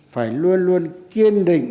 phải luôn luôn kiên định